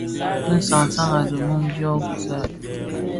Bi san san a di mum dyō kpusiya.